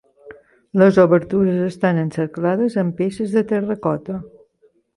Les obertures estan encerclades amb peces de terracota.